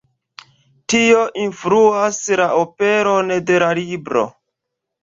Tio influas la aperon de la libro.